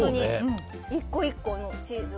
１個１個のチーズが。